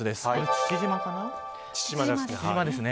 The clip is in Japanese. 父島です。